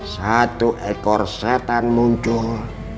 satu ekor syetan muncul